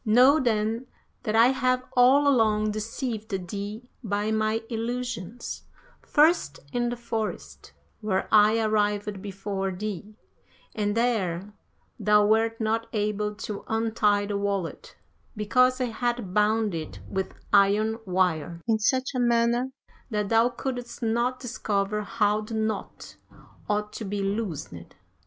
Know then that I have all along deceived thee by my illusions; first, in the forest, where I arrived before thee, and there thou wert not able to untie the wallet, because I had bound it with iron wire, in such a manner that thou couldst not discover how the knot ought to be loosened.